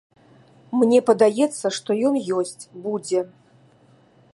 Мне падаецца, што ён ёсць, будзе.